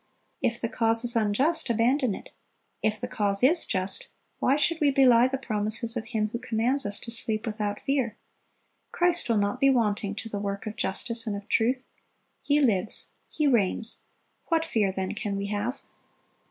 If the cause is unjust, abandon it; if the cause is just, why should we belie the promises of Him who commands us to sleep without fear?... Christ will not be wanting to the work of justice and of truth. He lives, He reigns; what fear, then, can we have?"